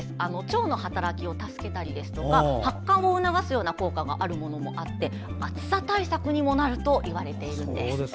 腸の働きを助けたりとか発汗を促すような効果もあって暑さ対策にもなるといわれているんです。